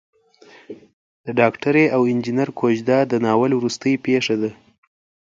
د ډاکټرې او انجنیر کوژده د ناول وروستۍ پېښه ده.